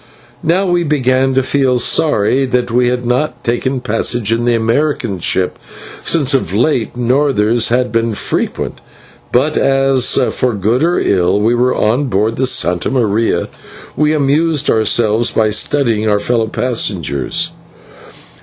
Now we began to feel sorry that we had not taken passage in the American ship, since of late northers had been frequent, but as, for good or ill, we were on board the /Santa Maria/, we amused ourselves by studying our fellow passengers.